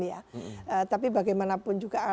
ya tapi bagaimanapun juga